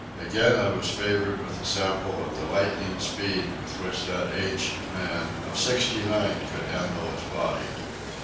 Again I was favoured with a sample of the lightning speed with which that aged man of sixty nine could handle his body.